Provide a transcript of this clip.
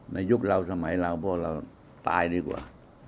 ยุคเราสมัยเราพวกเราตายดีกว่า